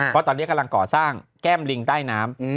เพราะตอนนี้กำลังก่อสร้างแก้มลิงใต้น้ำ